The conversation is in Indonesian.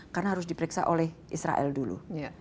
karena harus diperiksa oleh israel dulu